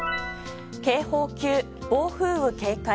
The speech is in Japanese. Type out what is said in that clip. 警報級暴風雨警戒。